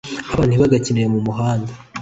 abana ntibagakinire mu muhanda